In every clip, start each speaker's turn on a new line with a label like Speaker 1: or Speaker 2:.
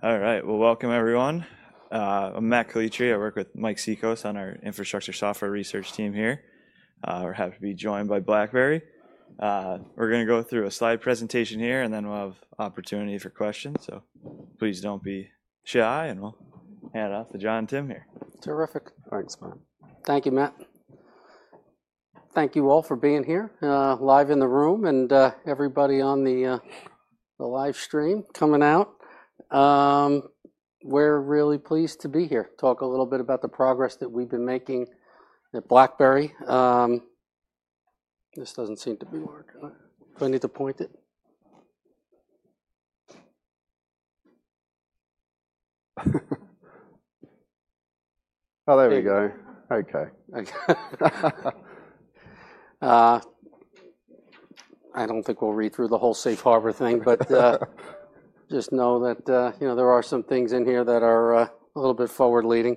Speaker 1: All right, well, welcome, everyone. I'm Matt Caletri. I work with Mike Cikos on our infrastructure software research team here. We're happy to be joined by BlackBerry. We're going to go through a slide presentation here, and then we'll have opportunity for questions. So please don't be shy, and we'll hand it off to John and Tim here.
Speaker 2: Terrific.
Speaker 3: Thanks, Matt.
Speaker 2: Thank you, Matt. Thank you all for being here, live in the room, and everybody on the live stream coming out. We're really pleased to be here, talk a little bit about the progress that we've been making at BlackBerry. This doesn't seem to be working. Do I need to point it?
Speaker 3: Oh, there we go. Okay.
Speaker 2: I don't think we'll read through the whole Safe Harbor thing, but just know that there are some things in here that are a little bit forward-leaning.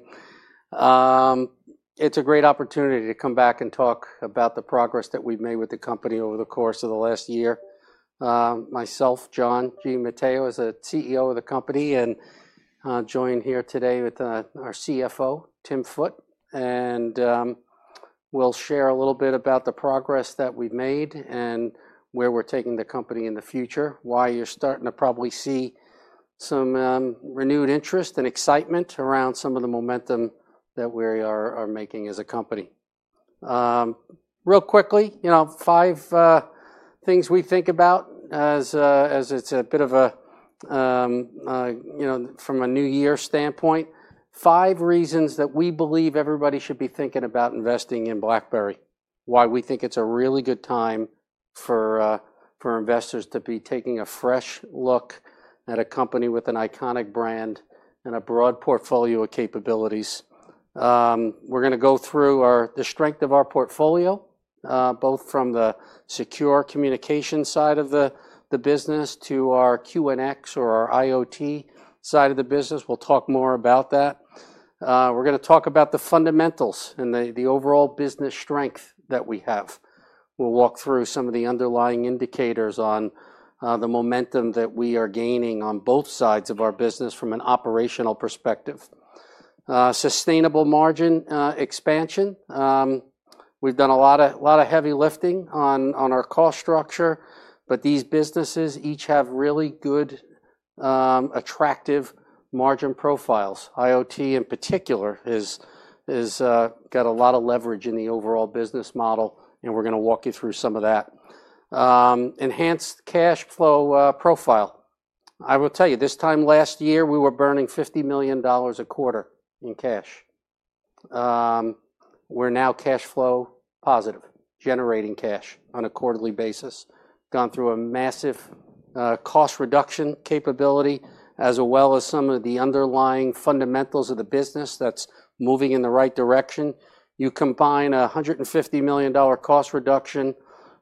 Speaker 2: It's a great opportunity to come back and talk about the progress that we've made with the company over the course of the last year. Myself, John J. Giamatteo, as CEO of the company, and join here today with our CFO, Tim Foote, and we'll share a little bit about the progress that we've made and where we're taking the company in the future, why you're starting to probably see some renewed interest and excitement around some of the momentum that we are making as a company. Really quickly, five things we think about as it's a bit of a, from a New Year's standpoint, five reasons that we believe everybody should be thinking about investing in BlackBerry, why we think it's a really good time for investors to be taking a fresh look at a company with an iconic brand and a broad portfolio of capabilities. We're going to go through the strength of our portfolio, both from the secure communication side of the business to our QNX or our IoT side of the business. We'll talk more about that. We're going to talk about the fundamentals and the overall business strength that we have. We'll walk through some of the underlying indicators on the momentum that we are gaining on both sides of our business from an operational perspective. Sustainable margin expansion. We've done a lot of heavy lifting on our cost structure, but these businesses each have really good, attractive margin profiles. IoT, in particular, has got a lot of leverage in the overall business model, and we're going to walk you through some of that. Enhanced cash flow profile. I will tell you, this time last year, we were burning $50 million a quarter in cash. We're now cash flow positive, generating cash on a quarterly basis. Gone through a massive cost reduction capability, as well as some of the underlying fundamentals of the business that's moving in the right direction. You combine a $150 million cost reduction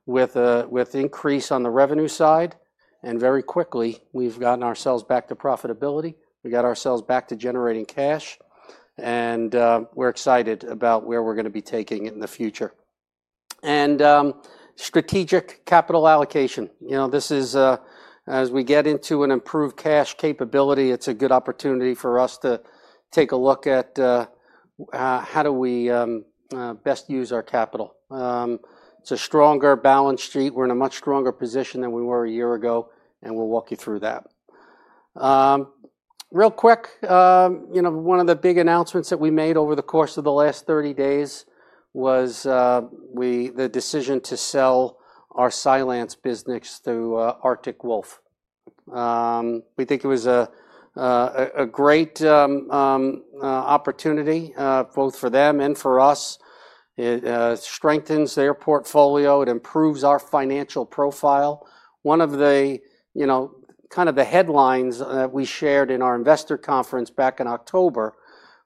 Speaker 2: with an increase on the revenue side, and very quickly, we've gotten ourselves back to profitability. We got ourselves back to generating cash, and we're excited about where we're going to be taking it in the future. Strategic capital allocation. This is, as we get into an improved cash capability, it's a good opportunity for us to take a look at how do we best use our capital. It's a stronger balance sheet. We're in a much stronger position than we were a year ago, and we'll walk you through that. Real quick, one of the big announcements that we made over the course of the last 30 days was the decision to sell our Cylance business to Arctic Wolf. We think it was a great opportunity both for them and for us. It strengthens their portfolio. It improves our financial profile. One of the kind of the headlines that we shared in our investor conference back in October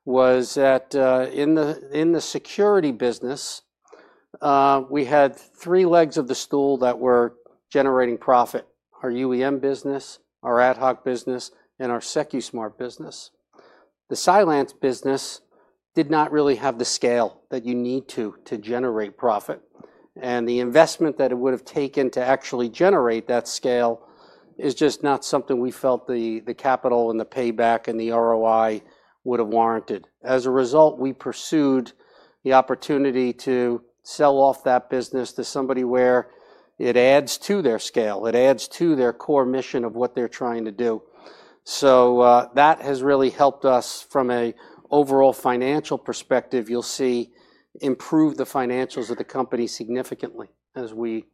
Speaker 2: was that in the security business, we had three legs of the stool that were generating profit: our UEM business, our AtHoc business, and our SecuSmart business. The Cylance business did not really have the scale that you need to generate profit, and the investment that it would have taken to actually generate that scale is just not something we felt the capital and the payback and the ROI would have warranted. As a result, we pursued the opportunity to sell off that business to somebody where it adds to their scale. It adds to their core mission of what they're trying to do. So that has really helped us from an overall financial perspective. You'll see improved financials of the company significantly as we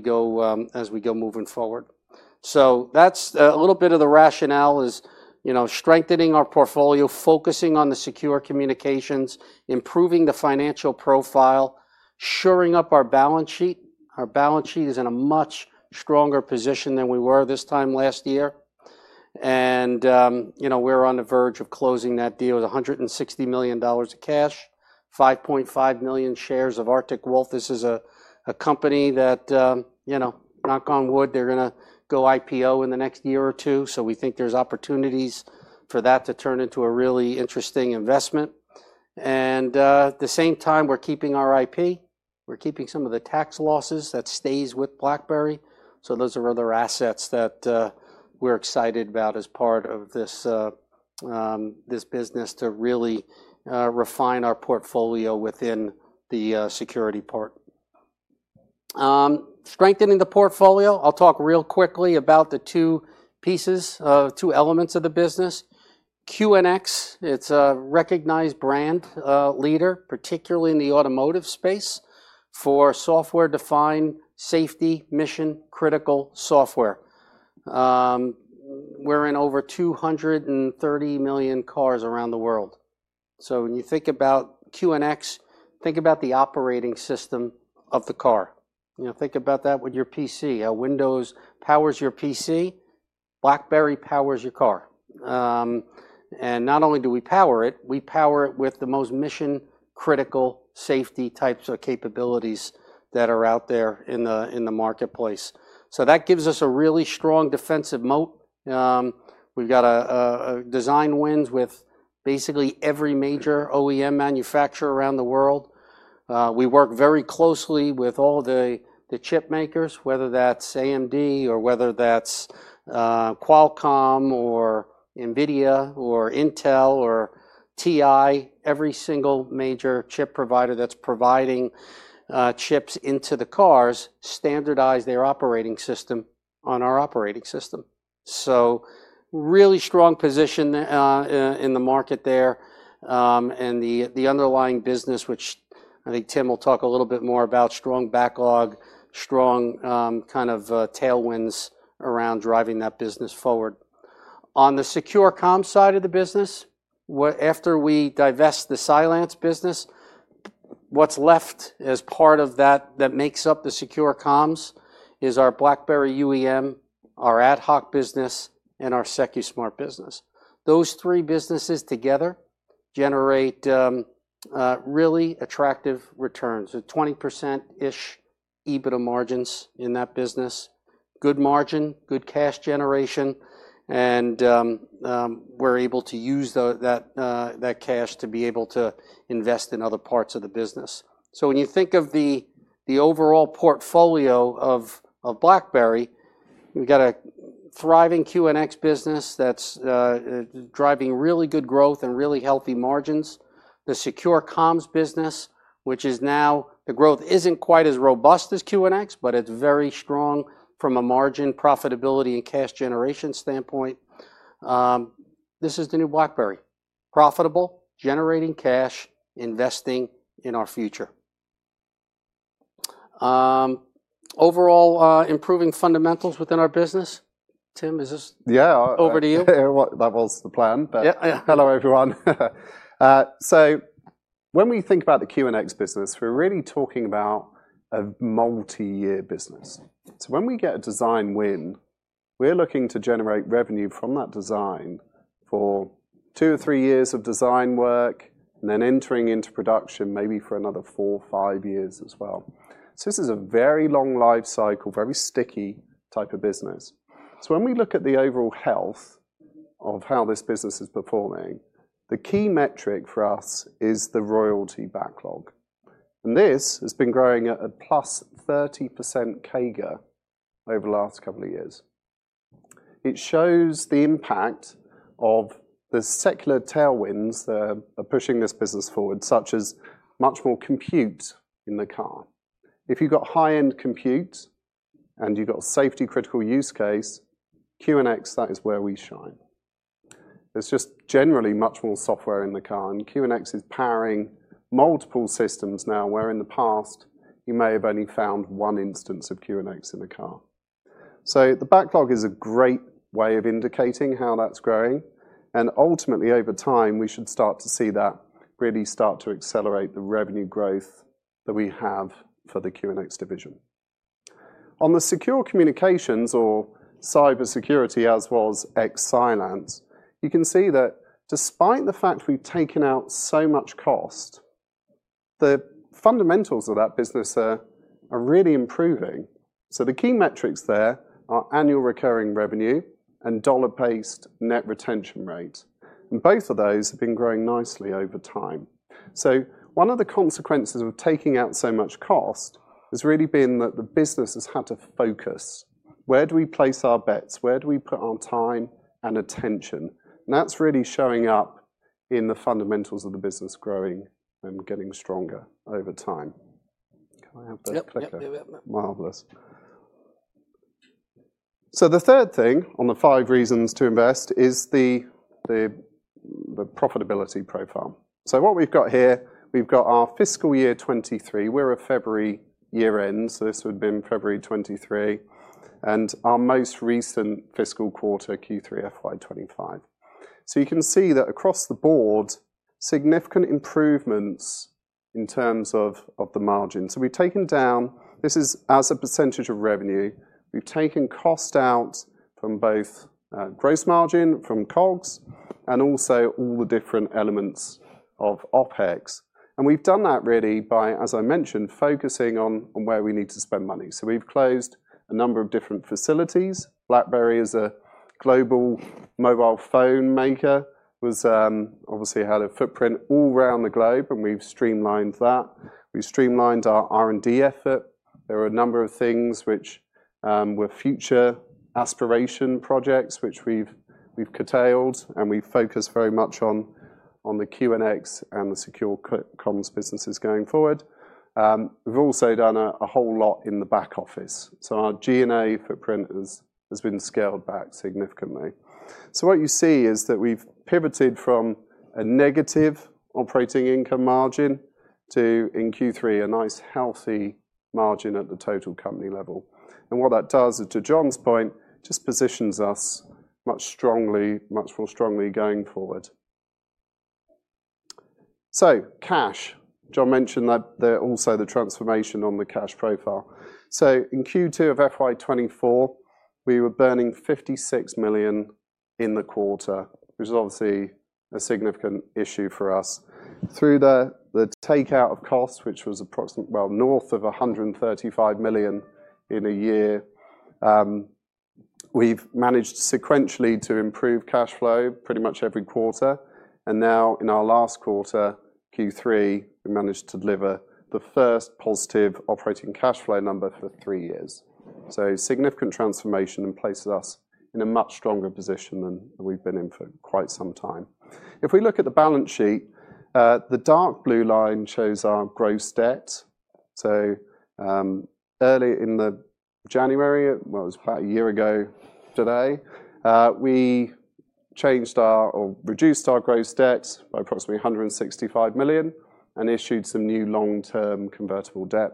Speaker 2: go moving forward. So that's a little bit of the rationale: strengthening our portfolio, focusing on the secure communications, improving the financial profile, shoring up our balance sheet. Our balance sheet is in a much stronger position than we were this time last year, and we're on the verge of closing that deal with $160 million of cash, 5.5 million shares of Arctic Wolf. This is a company that, knock on wood, they're going to go IPO in the next year or two. So we think there's opportunities for that to turn into a really interesting investment. And at the same time, we're keeping our IP. We're keeping some of the tax losses that stays with BlackBerry. So those are other assets that we're excited about as part of this business to really refine our portfolio within the security part. Strengthening the portfolio. I'll talk real quickly about the two pieces, two elements of the business. QNX, it's a recognized brand leader, particularly in the automotive space for software-defined safety mission-critical software. We're in over 230 million cars around the world. So when you think about QNX, think about the operating system of the car. Think about that with your PC. Windows powers your PC. BlackBerry powers your car. And not only do we power it, we power it with the most mission-critical safety types of capabilities that are out there in the marketplace. So that gives us a really strong defensive moat. We've got design wins with basically every major OEM manufacturer around the world. We work very closely with all the chip makers, whether that's AMD or whether that's Qualcomm or NVIDIA or Intel or TI. Every single major chip provider that's providing chips into the cars standardizes their operating system on our operating system. So really strong position in the market there and the underlying business, which I think Tim will talk a little bit more about: strong backlog, strong kind of tailwinds around driving that business forward. On the secure comm side of the business, after we divest the Cylance business, what's left as part of that that makes up the secure comms is our BlackBerry UEM, our AtHoc business, and our SecuSmart business. Those three businesses together generate really attractive returns, 20%-ish EBITDA margins in that business, good margin, good cash generation, and we're able to use that cash to be able to invest in other parts of the business. So when you think of the overall portfolio of BlackBerry, we've got a thriving QNX business that's driving really good growth and really healthy margins, the secure comms business, which is now the growth isn't quite as robust as QNX, but it's very strong from a margin profitability and cash generation standpoint. This is the new BlackBerry: profitable, generating cash, investing in our future. Overall, improving fundamentals within our business. Tim, it's over to you?
Speaker 3: That was the plan, but hello, everyone. So when we think about the QNX business, we're really talking about a multi-year business. So when we get a design win, we're looking to generate revenue from that design for two or three years of design work, and then entering into production maybe for another four or five years as well. So this is a very long life cycle, very sticky type of business. So when we look at the overall health of how this business is performing, the key metric for us is the royalty backlog. And this has been growing at a plus 30% CAGR over the last couple of years. It shows the impact of the secular tailwinds that are pushing this business forward, such as much more compute in the car. If you've got high-end compute and you've got a safety-critical use case, QNX, that is where we shine. There's just generally much more software in the car, and QNX is powering multiple systems now where in the past, you may have only found one instance of QNX in the car. So the backlog is a great way of indicating how that's growing. And ultimately, over time, we should start to see that really start to accelerate the revenue growth that we have for the QNX division. On the secure communications or cybersecurity, as well as Cylance, you can see that despite the fact we've taken out so much cost, the fundamentals of that business are really improving. So the key metrics there are annual recurring revenue and dollar-based net retention rate. And both of those have been growing nicely over time. So one of the consequences of taking out so much cost has really been that the business has had to focus. Where do we place our bets? Where do we put our time and attention? And that's really showing up in the fundamentals of the business growing and getting stronger over time. Can I have that clicker?
Speaker 2: Yep, yep, yep.
Speaker 3: Marvelous. The third thing on the five reasons to invest is the profitability profile. What we've got here, we've got our fiscal year 2023. We're at February year-end, so this would have been February 2023, and our most recent fiscal quarter, Q3 FY25. You can see that across the board, significant improvements in terms of the margin. We've taken down, this is as a percentage of revenue. We've taken cost out from both gross margin from COGS and also all the different elements of OpEx. We've done that really by, as I mentioned, focusing on where we need to spend money. We've closed a number of different facilities. BlackBerry is a global mobile phone maker, obviously had a footprint all around the globe, and we've streamlined that. We've streamlined our R&D effort. There are a number of things which were future aspiration projects which we've curtailed, and we've focused very much on the QNX and the secure comms businesses going forward. We've also done a whole lot in the back office. So our G&A footprint has been scaled back significantly. So what you see is that we've pivoted from a negative operating income margin to, in Q3, a nice healthy margin at the total company level. And what that does is, to John's point, just positions us much more strongly going forward. So cash, John mentioned that there's also the transformation on the cash profile. So in Q2 of FY24, we were burning $56 million in the quarter, which is obviously a significant issue for us. Through the takeout of costs, which was approximately well north of $135 million in a year, we've managed sequentially to improve cash flow pretty much every quarter. Now, in our last quarter, Q3, we managed to deliver the first positive operating cash flow number for three years. So significant transformation and places us in a much stronger position than we've been in for quite some time. If we look at the balance sheet, the dark blue line shows our gross debt. So early in January, well, it was about a year ago today, we reduced our gross debt by approximately $165 million and issued some new long-term convertible debt.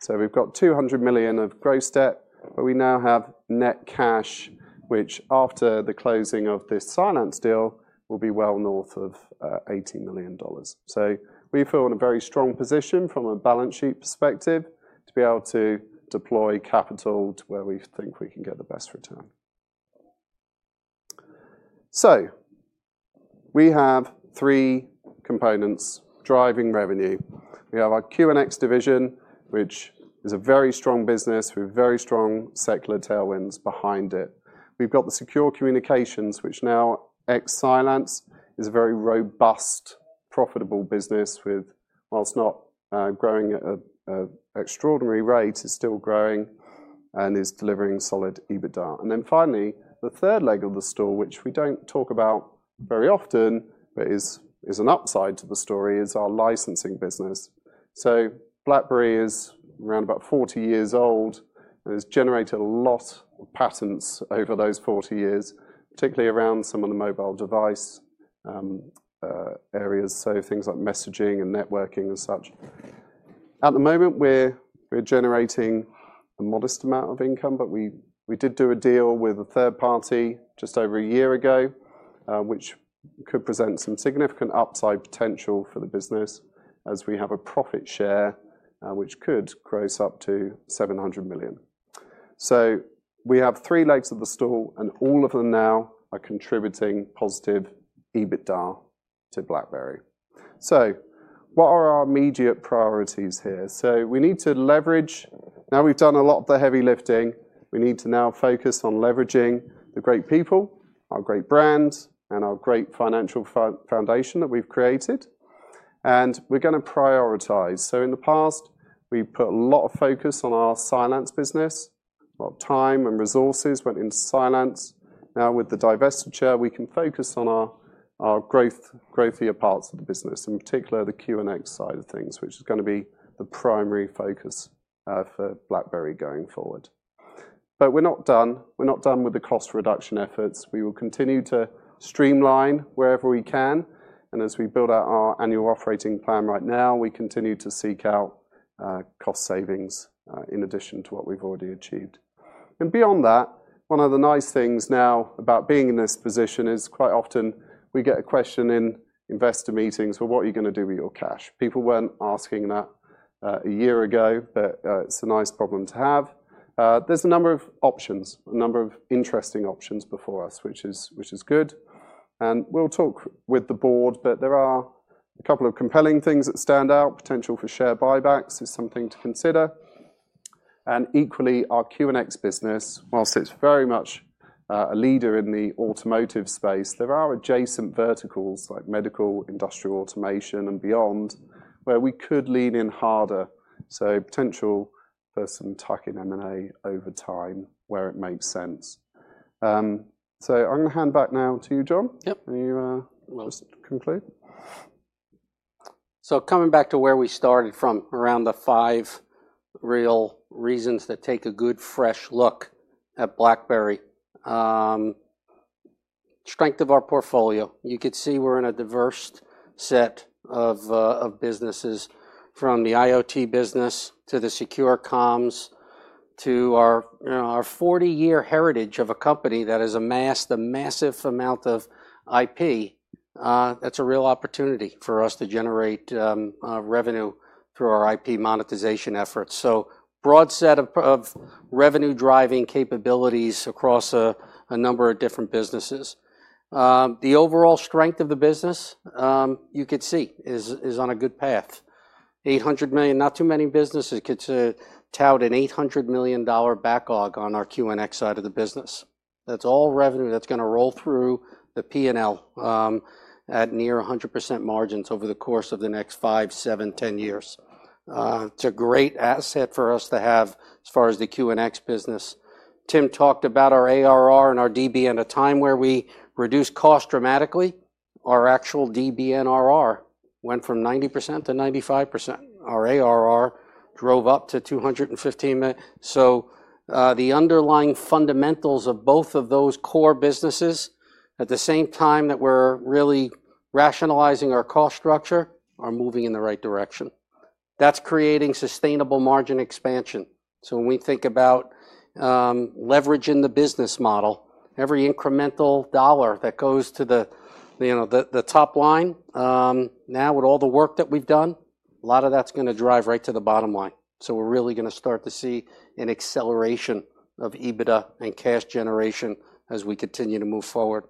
Speaker 3: So we've got $200 million of gross debt, but we now have net cash, which after the closing of this Cylance deal, will be well north of $18 million. We feel in a very strong position from a balance sheet perspective to be able to deploy capital to where we think we can get the best return. We have three components driving revenue. We have our QNX division, which is a very strong business with very strong secular tailwinds behind it. We've got the secure communications, which now Cylance is a very robust, profitable business with, while not growing at an extraordinary rate, is still growing and is delivering solid EBITDA. Then finally, the third leg of the stool, which we don't talk about very often, but is an upside to the story, is our licensing business. BlackBerry is around about 40 years old and has generated a lot of patents over those 40 years, particularly around some of the mobile device areas, so things like messaging and networking and such. At the moment, we're generating a modest amount of income, but we did do a deal with a third party just over a year ago, which could present some significant upside potential for the business as we have a profit share which could gross up to $700 million. So we have three legs of the stool, and all of them now are contributing positive EBITDA to BlackBerry. So what are our immediate priorities here? So we need to leverage. Now we've done a lot of the heavy lifting. We need to now focus on leveraging the great people, our great brand, and our great financial foundation that we've created. And we're going to prioritize. So in the past, we put a lot of focus on our Cylance business. A lot of time and resources went into Cylance. Now, with the divestiture, we can focus on our growthier parts of the business, in particular the QNX side of things, which is going to be the primary focus for BlackBerry going forward. But we're not done. We're not done with the cost reduction efforts. We will continue to streamline wherever we can. And as we build out our annual operating plan right now, we continue to seek out cost savings in addition to what we've already achieved. Beyond that, one of the nice things now about being in this position is quite often we get a question in investor meetings, "Well, what are you going to do with your cash?" People weren't asking that a year ago, but it's a nice problem to have. There's a number of options, a number of interesting options before us, which is good. We'll talk with the board, but there are a couple of compelling things that stand out. Potential for share buybacks is something to consider. Equally, our QNX business, while it's very much a leader in the automotive space, there are adjacent verticals like medical, industrial automation, and beyond where we could lean in harder. Potential for some tuck-in M&A over time where it makes sense. I'm going to hand back now to you, John.
Speaker 2: Yep.
Speaker 3: You will just conclude.
Speaker 2: So coming back to where we started from, around the five real reasons that take a good fresh look at BlackBerry. Strength of our portfolio. You could see we're in a diverse set of businesses from the IoT business to the secure comms to our 40-year heritage of a company that has amassed a massive amount of IP. That's a real opportunity for us to generate revenue through our IP monetization efforts. So broad set of revenue-driving capabilities across a number of different businesses. The overall strength of the business, you could see, is on a good path. $800 million, not too many businesses could tout an $800 million backlog on our QNX side of the business. That's all revenue that's going to roll through the P&L at near 100% margins over the course of the next five, seven, ten years. It's a great asset for us to have as far as the QNX business. Tim talked about our ARR and our DBNRR. At a time where we reduced costs dramatically, our actual DBNRR went from 90% to 95%. Our ARR drove up to 215. So the underlying fundamentals of both of those core businesses, at the same time that we're really rationalizing our cost structure, are moving in the right direction. That's creating sustainable margin expansion. So when we think about leveraging the business model, every incremental dollar that goes to the top line, now with all the work that we've done, a lot of that's going to drive right to the bottom line. So we're really going to start to see an acceleration of EBITDA and cash generation as we continue to move forward.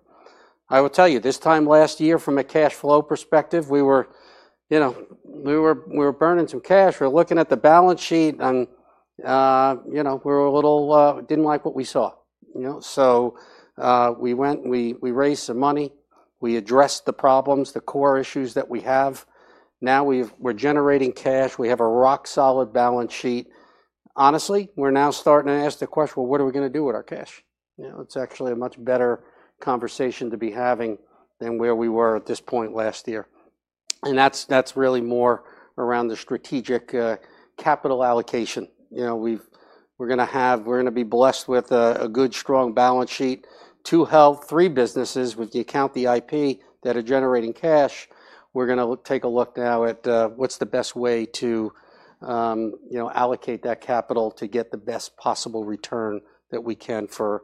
Speaker 2: I will tell you, this time last year, from a cash flow perspective, we were burning some cash. We were looking at the balance sheet, and we didn't like what we saw. So we raised some money. We addressed the problems, the core issues that we have. Now we're generating cash. We have a rock-solid balance sheet. Honestly, we're now starting to ask the question, "Well, what are we going to do with our cash?" It's actually a much better conversation to be having than where we were at this point last year, and that's really more around the strategic capital allocation. We're going to be blessed with a good, strong balance sheet, too healthy, three businesses with the AtHoc, the IP that are generating cash. We're going to take a look now at what's the best way to allocate that capital to get the best possible return that we can for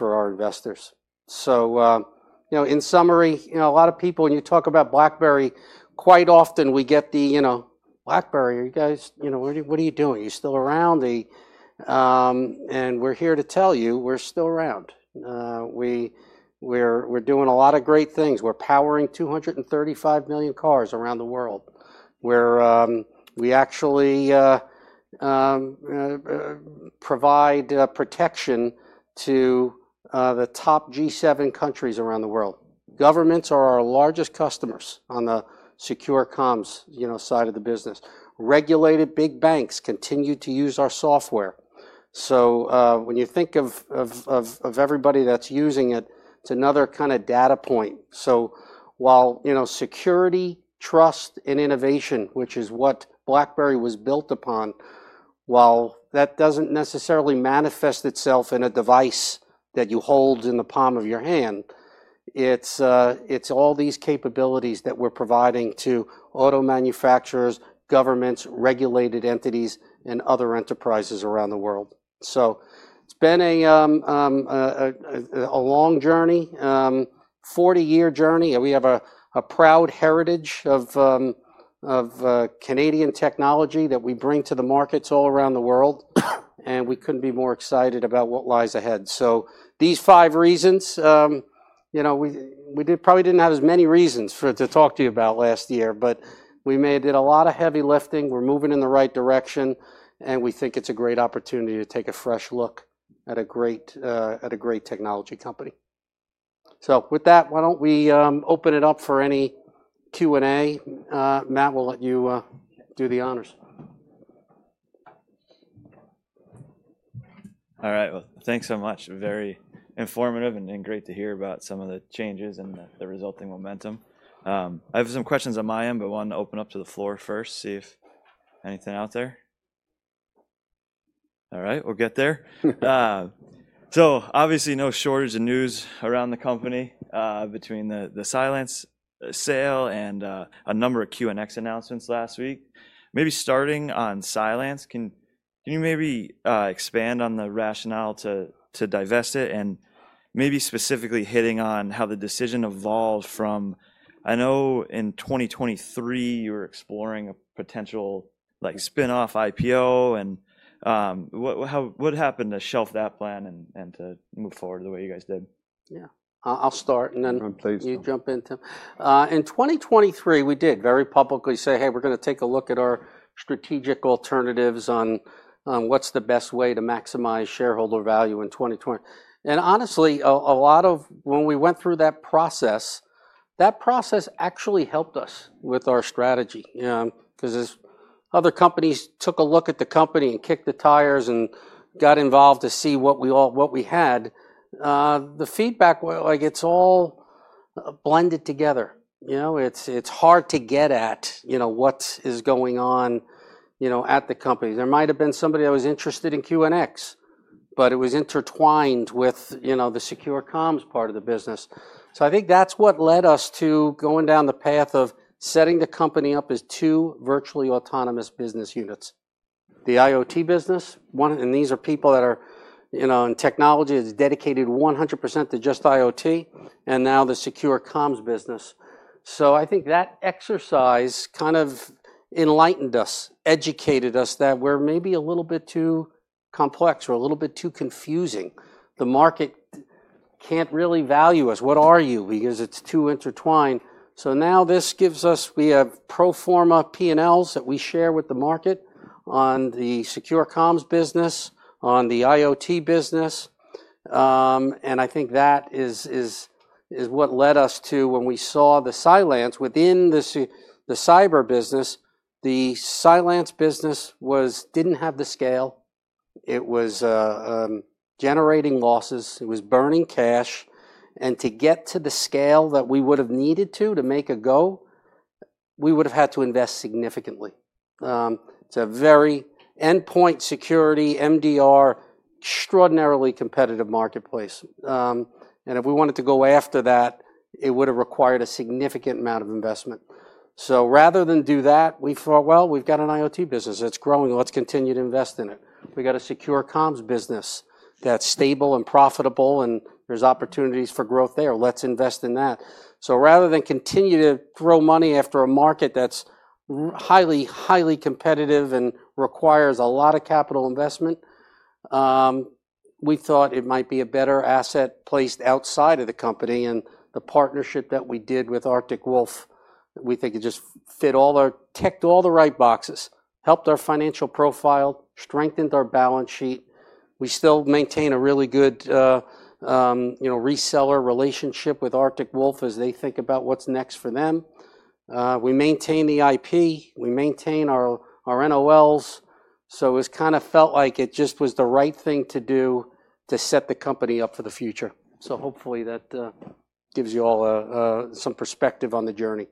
Speaker 2: our investors, so in summary, a lot of people, when you talk about BlackBerry, quite often we get the, "BlackBerry, are you guys what are you doing? Are you still around?" and we're here to tell you we're still around. We're doing a lot of great things. We're powering 235 million cars around the world. We actually provide protection to the top G7 countries around the world. Governments are our largest customers on the secure comms side of the business. Regulated big banks continue to use our software. So when you think of everybody that's using it, it's another kind of data point. So while security, trust, and innovation, which is what BlackBerry was built upon, while that doesn't necessarily manifest itself in a device that you hold in the palm of your hand, it's all these capabilities that we're providing to auto manufacturers, governments, regulated entities, and other enterprises around the world. So it's been a long journey, 40-year journey. We have a proud heritage of Canadian technology that we bring to the markets all around the world, and we couldn't be more excited about what lies ahead. So these five reasons, we probably didn't have as many reasons to talk to you about last year, but we did a lot of heavy lifting. We're moving in the right direction, and we think it's a great opportunity to take a fresh look at a great technology company. So with that, why don't we open it up for any Q&A? Matt, we'll let you do the honors. All right. Well, thanks so much. Very informative and great to hear about some of the changes and the resulting momentum. I have some questions on my end, but wanted to open up to the floor first, see if anything out there. All right. We'll get there. So obviously, no shortage of news around the company between the Cylance sale and a number of QNX announcements last week. Maybe starting on Cylance, can you maybe expand on the rationale to divest it and maybe specifically hitting on how the decision evolved from, I know in 2023, you were exploring a potential spinoff IPO, and what happened to shelve that plan and to move forward the way you guys did? Yeah. I'll start, and then you jump in, Tim. In 2023, we did very publicly say, "Hey, we're going to take a look at our strategic alternatives on what's the best way to maximize shareholder value in 2020." And honestly, a lot of when we went through that process, that process actually helped us with our strategy because other companies took a look at the company and kicked the tires and got involved to see what we had. The feedback, it's all blended together. It's hard to get at what is going on at the company. There might have been somebody that was interested in QNX, but it was intertwined with the secure comms part of the business. So I think that's what led us to going down the path of setting the company up as two virtually autonomous business units. The IoT business, and these are people that are in technology, is dedicated 100% to just IoT, and now the secure comms business. So I think that exercise kind of enlightened us, educated us that we're maybe a little bit too complex or a little bit too confusing. The market can't really value us. What are you? Because it's too intertwined. So now this gives us we have pro forma P&Ls that we share with the market on the secure comms business, on the IoT business. And I think that is what led us to, when we saw the Cylance within the cyber business, the Cylance business didn't have the scale. It was generating losses. It was burning cash. And to get to the scale that we would have needed to, to make a go, we would have had to invest significantly. It's a very endpoint security, MDR, extraordinarily competitive marketplace. And if we wanted to go after that, it would have required a significant amount of investment. So rather than do that, we thought, "Well, we've got an IoT business. It's growing. Let's continue to invest in it. We've got a secure comms business that's stable and profitable, and there's opportunities for growth there. Let's invest in that." So rather than continue to throw money after a market that's highly, highly competitive and requires a lot of capital investment, we thought it might be a better asset placed outside of the company. And the partnership that we did with Arctic Wolf, we think it just fit all our ticked all the right boxes, helped our financial profile, strengthened our balance sheet. We still maintain a really good reseller relationship with Arctic Wolf as they think about what's next for them. We maintain the IP. We maintain our NOLs. So it was kind of felt like it just was the right thing to do to set the company up for the future. So hopefully that gives you all some perspective on the journey.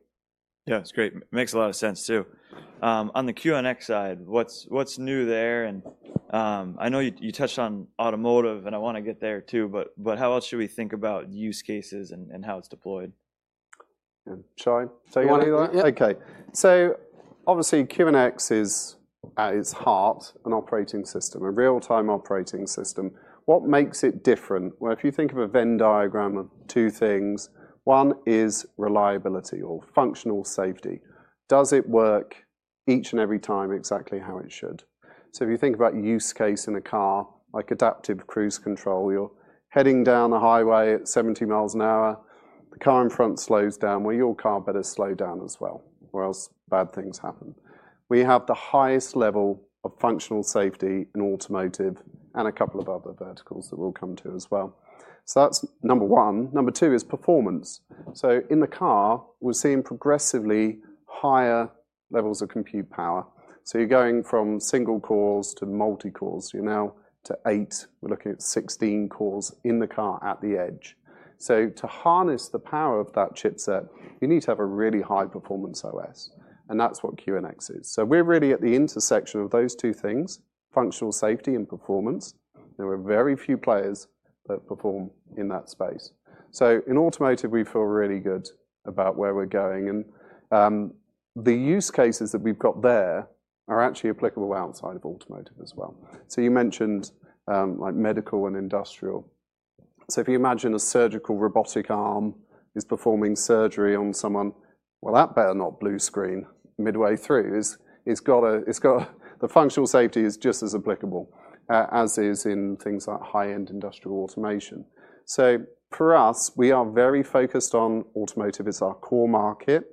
Speaker 2: Yeah, it's great. Makes a lot of sense, too. On the QNX side, what's new there? And I know you touched on automotive, and I want to get there, too, but how else should we think about use cases and how it's deployed? Sorry.
Speaker 3: Okay. So obviously, QNX is, at its heart, an operating system, a real-time operating system. What makes it different? Well, if you think of a Venn diagram of two things, one is reliability or functional safety. Does it work each and every time exactly how it should? So if you think about use case in a car, like adaptive cruise control, you're heading down the highway at 70 miles an hour. The car in front slows down, well, your car better slow down as well, or else bad things happen. We have the highest level of functional safety in automotive and a couple of other verticals that we'll come to as well. So that's number one. Number two is performance. So in the car, we're seeing progressively higher levels of compute power. So you're going from single cores to multi-cores. You're now to eight. We're looking at 16 cores in the car at the edge. So to harness the power of that chipset, you need to have a really high-performance OS, and that's what QNX is. So we're really at the intersection of those two things, functional safety and performance. There are very few players that perform in that space. So in automotive, we feel really good about where we're going. The use cases that we've got there are actually applicable outside of automotive as well. So you mentioned medical and industrial. So if you imagine a surgical robotic arm is performing surgery on someone, well, that better not blue screen midway through. The functional safety is just as applicable as is in things like high-end industrial automation. So for us, we are very focused on automotive as our core market,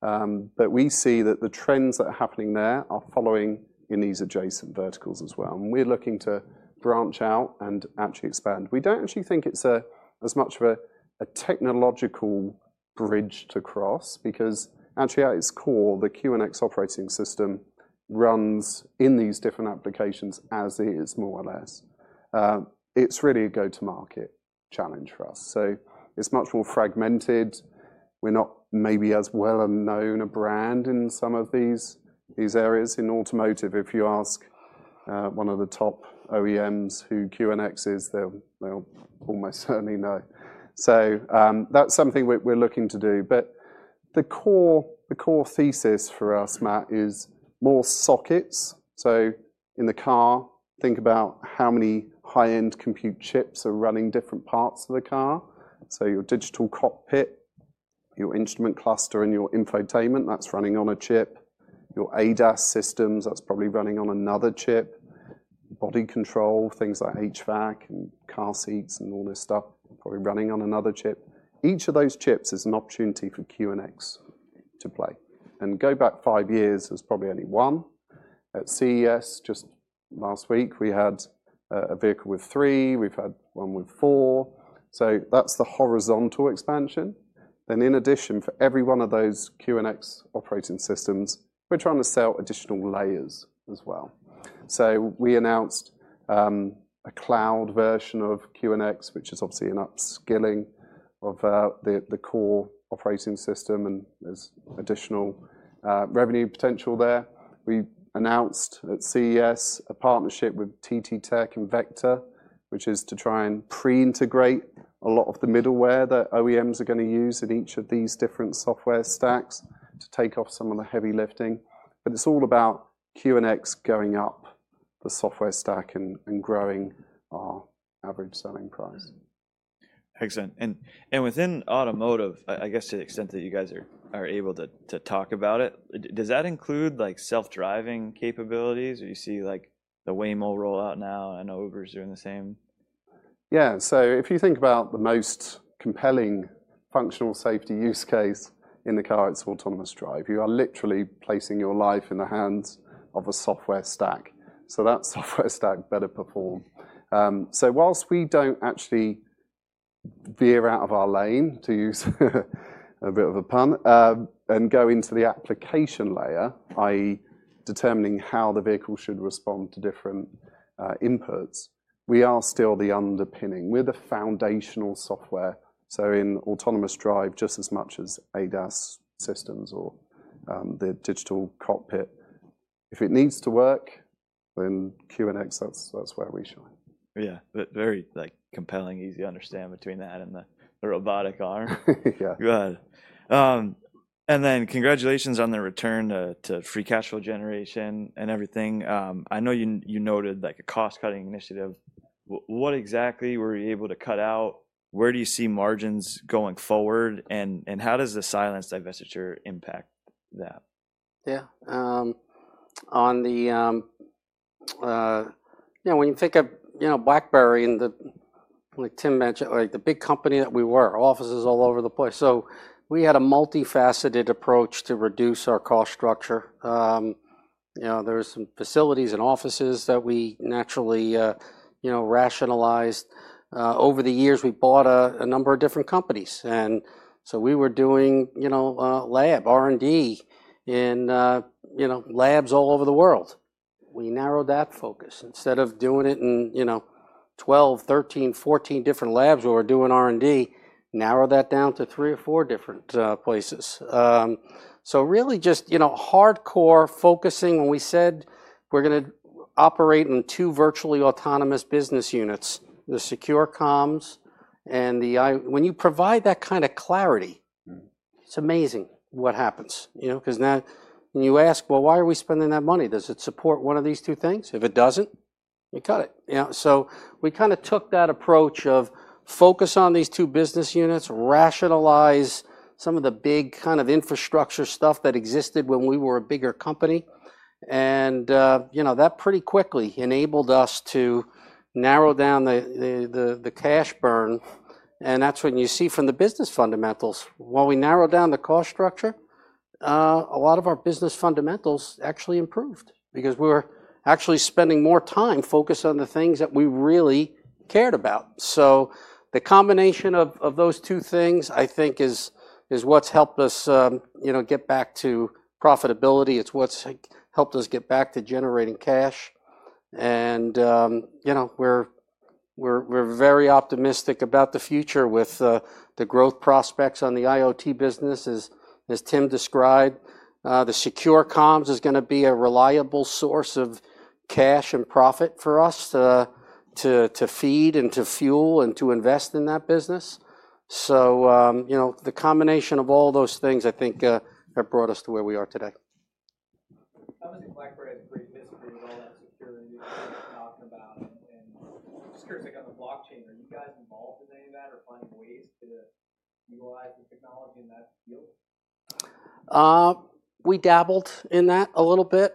Speaker 3: but we see that the trends that are happening there are following in these adjacent verticals as well. And we're looking to branch out and actually expand. We don't actually think it's as much of a technological bridge to cross because actually, at its core, the QNX operating system runs in these different applications as is, more or less. It's really a go-to-market challenge for us. So it's much more fragmented. We're not maybe as well-known a brand in some of these areas. In automotive, if you ask one of the top OEMs who QNX is, they'll almost certainly know. So that's something we're looking to do. But the core thesis for us, Matt, is more sockets. So in the car, think about how many high-end compute chips are running different parts of the car. So your digital cockpit, your instrument cluster, and your infotainment, that's running on a chip. Your ADAS systems, that's probably running on another chip. Body control, things like HVAC and car seats and all this stuff, probably running on another chip. Each of those chips is an opportunity for QNX to play. And go back five years, there's probably only one. At CES, just last week, we had a vehicle with three. We've had one with four. So that's the horizontal expansion. Then in addition, for every one of those QNX operating systems, we're trying to sell additional layers as well. So we announced a cloud version of QNX, which is obviously an upskilling of the core operating system, and there's additional revenue potential there. We announced at CES a partnership with TTTech and Vector, which is to try and pre-integrate a lot of the middleware that OEMs are going to use in each of these different software stacks to take off some of the heavy lifting. But it's all about QNX going up the software stack and growing our average selling price. Excellent, and within automotive, I guess to the extent that you guys are able to talk about it, does that include self-driving capabilities? Or do you see the Waymo roll out now and Uber's doing the same? Yeah. So if you think about the most compelling functional safety use case in the car, it's autonomous drive. You are literally placing your life in the hands of a software stack. So that software stack better perform. So while we don't actually veer out of our lane, to use a bit of a pun, and go into the application layer, i.e., determining how the vehicle should respond to different inputs, we are still the underpinning. We're the foundational software. So in autonomous drive, just as much as ADAS systems or the digital cockpit, if it needs to work, then QNX, that's where we shine. Yeah. Very compelling, easy to understand between that and the robotic arm. Yeah. Congratulations on the return to free cash flow generation and everything. I know you noted a cost-cutting initiative. What exactly were you able to cut out? Where do you see margins going forward? And how does the Cylance divestiture impact that?
Speaker 2: Yeah. When you think of BlackBerry and the, like Tim mentioned, the big company that we were, offices all over the place. So we had a multifaceted approach to reduce our cost structure. There were some facilities and offices that we naturally rationalized. Over the years, we bought a number of different companies. So we were doing lab, R&D in labs all over the world. We narrowed that focus. Instead of doing it in 12, 13, 14 different labs where we're doing R&D, narrow that down to three or four different places. So really just hardcore focusing when we said we're going to operate in two virtually autonomous business units, the secure comms and the when you provide that kind of clarity, it's amazing what happens. Because now when you ask, "Well, why are we spending that money? Does it support one of these two things?" If it doesn't, you cut it. So we kind of took that approach of focus on these two business units, rationalize some of the big kind of infrastructure stuff that existed when we were a bigger company. And that pretty quickly enabled us to narrow down the cash burn. That's when you see from the business fundamentals, while we narrowed down the cost structure, a lot of our business fundamentals actually improved because we were actually spending more time focused on the things that we really cared about. So the combination of those two things, I think, is what's helped us get back to profitability. It's what's helped us get back to generating cash. And we're very optimistic about the future with the growth prospects on the IoT business, as Tim described. The secure comms is going to be a reliable source of cash and profit for us to feed and to fuel and to invest in that business, so the combination of all those things, I think, have brought us to where we are today. How does BlackBerry agree and disagree with all that security that you're talking about? And I'm just curious, on the blockchain, are you guys involved in any of that or finding ways to utilize the technology in that field?
Speaker 3: We dabbled in that a little bit.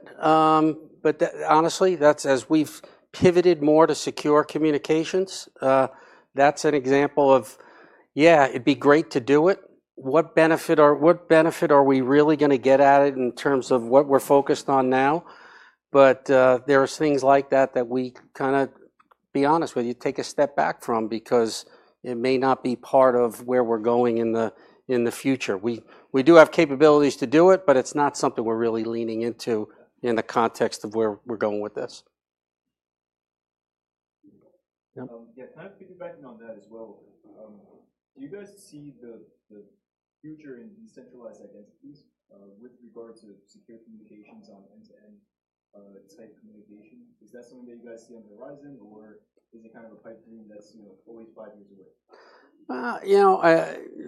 Speaker 3: But honestly, that's, as we've pivoted more to secure communications. That's an example of, yeah, it'd be great to do it. What benefit are we really going to get out of it in terms of what we're focused on now? But there are things like that that we kind of, to be honest with you, take a step back from because it may not be part of where we're going in the future. We do have capabilities to do it, but it's not something we're really leaning into in the context of where we're going with this. Yeah. Can I piggyback on that as well? Do you guys see the future in centralized identities with regard to secure communications on end-to-end type communication? Is that something that you guys see on the horizon, or is it kind of a pipe dream that's always five years away?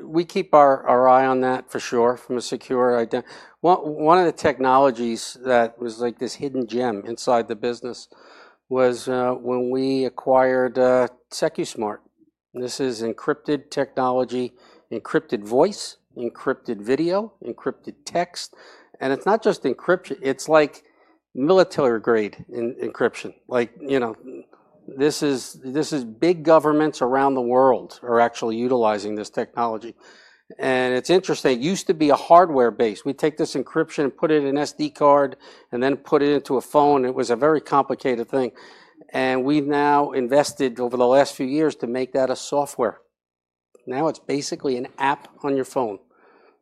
Speaker 3: We keep our eye on that for sure from a secure identity. One of the technologies that was like this hidden gem inside the business was when we acquired SecuSmart. This is encrypted technology, encrypted voice, encrypted video, encrypted text. And it's not just encryption. It's like military-grade encryption. This is big governments around the world are actually utilizing this technology. It's interesting. It used to be a hardware base. We'd take this encryption and put it in an SD card and then put it into a phone. It was a very complicated thing. And we've now invested over the last few years to make that a software. Now it's basically an app on your phone.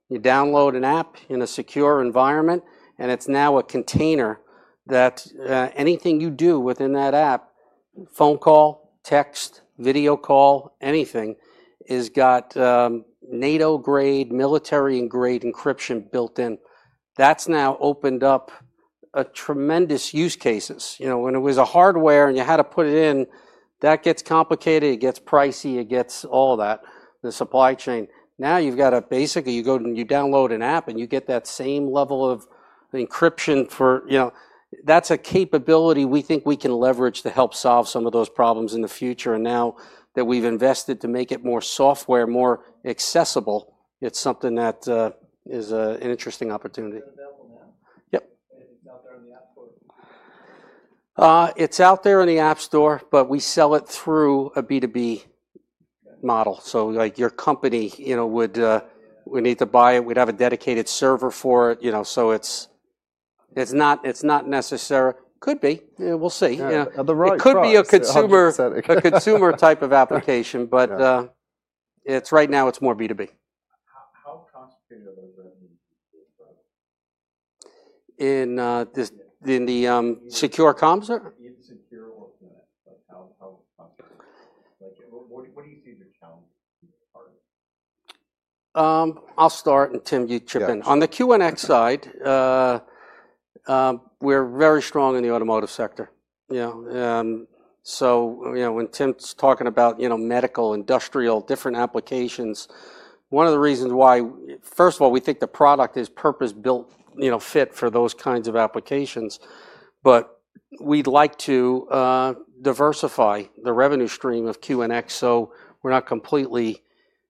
Speaker 3: You download an app in a secure environment, and it's now a container that anything you do within that app, phone call, text, video call, anything, has got NATO-grade, military-grade encryption built in. That's now opened up tremendous use cases. When it was a hardware and you had to put it in, that gets complicated. It gets pricey. It gets all that, the supply chain. Now you've got to basically you go and you download an app and you get that same level of encryption. That's a capability we think we can leverage to help solve some of those problems in the future. Now that we've invested to make it more software, more accessible, it's something that is an interesting opportunity. Is it available now? Yep. It's out there in the App Store? It's out there in the App Store, but we sell it through a B2B model. So your company would need to buy it. We'd have a dedicated server for it. So it's not necessary. Could be. We'll see. It could be a consumer type of application, but right now it's more B2B. How concentrated are those revenues? In the secure comms? Insecure or QNX? What do you see as the challenges?
Speaker 2: I'll start, and Tim, you chip in. On the QNX side, we're very strong in the automotive sector. So when Tim's talking about medical, industrial, different applications, one of the reasons why, first of all, we think the product is purpose-built fit for those kinds of applications. But we'd like to diversify the revenue stream of QNX so we're not completely.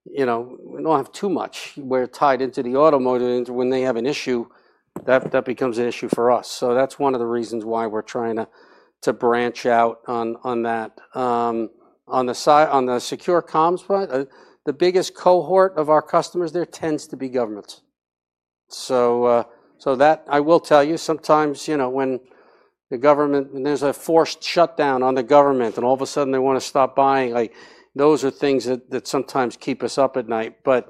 Speaker 2: We don't have too much. We're tied into the automotive. When they have an issue, that becomes an issue for us. So that's one of the reasons why we're trying to branch out on that. On the secure comms front, the biggest cohort of our customers there tends to be governments. So I will tell you, sometimes when there's a forced shutdown on the government and all of a sudden they want to stop buying, those are things that sometimes keep us up at night. But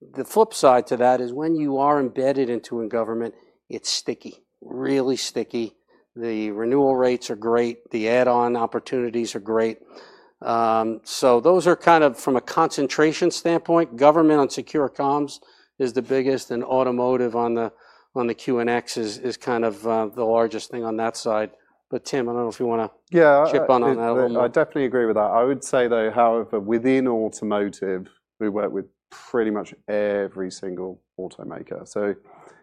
Speaker 2: the flip side to that is when you are embedded into a government, it's sticky, really sticky. The renewal rates are great. The add-on opportunities are great. So those are kind of from a concentration standpoint, government on secure comms is the biggest, and automotive on the QNX is kind of the largest thing on that side. But Tim, I don't know if you want to chip in on that a little bit.
Speaker 3: Yeah. I definitely agree with that. I would say, though, however, within automotive, we work with pretty much every single automaker. So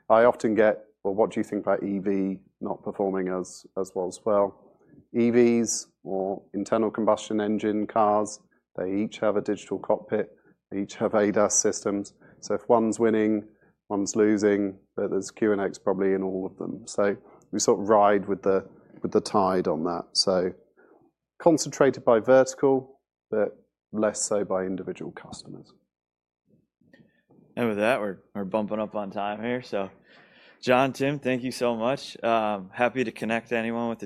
Speaker 3: I often get, "Well, what do you think about EV not performing as well?" Well, EVs or internal combustion engine cars, they each have a digital cockpit. They each have ADAS systems. So if one's winning, one's losing, but there's QNX probably in all of them. So we sort of ride with the tide on that. So concentrated by vertical, but less so by individual customers. With that, we're bumping up on time here. John, Tim, thank you so much. Happy to connect anyone with.